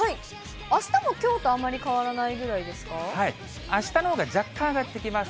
あしたもきょうとあまり変わあしたのほうが若干上がってきます。